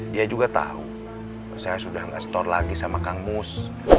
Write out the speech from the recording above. dia juga tahu saya sudah nggak store lagi sama kang mus